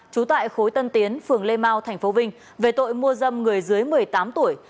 trú tại khối tân tiến phường lê mau tp vinh về tội mua dâm người dưới một mươi tám tuổi